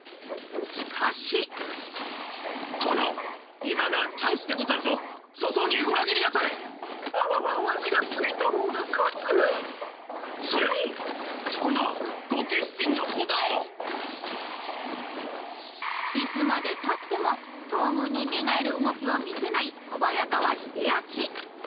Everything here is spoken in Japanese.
しかしいつまでたっても東軍に寝返る動きを見せない小早川秀秋。